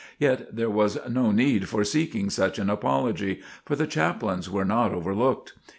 Yet there was no need for seeking such an apology, for the chaplains were not overlooked.